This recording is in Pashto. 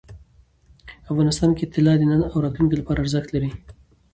افغانستان کې طلا د نن او راتلونکي لپاره ارزښت لري.